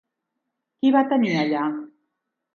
Qui va tenir allà?